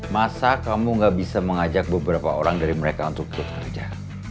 masa kamu gak bisa mengajak beberapa orang dari mereka untuk bekerja